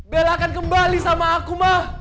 bella akan kembali sama aku